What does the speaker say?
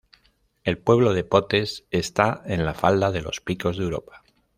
El pueblo de Potes está en la falda de los Picos de Europa